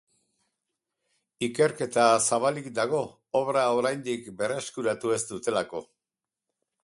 Ikerketa zabalik dago, obra oraindik berreskuratu ez dutelako.